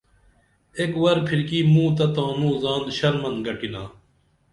ایک ور پِھرکی موں تہ تانوں زان شرمن گٹِنا